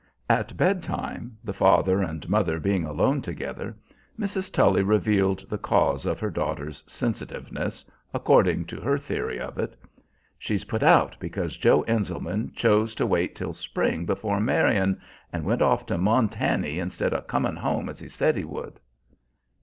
At bedtime, the father and mother being alone together, Mrs. Tully revealed the cause of her daughter's sensitiveness, according to her theory of it. "She's put out because Joe Enselman chose to wait till spring before marryin', and went off to Montany instead of comin' home as he said he would."